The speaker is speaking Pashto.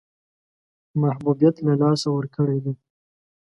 محبوبیت له لاسه ورکړی دی.